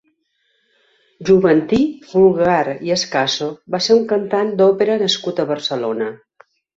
Juventí Folgar i Ascaso va ser un cantant d'òpera nascut a Barcelona.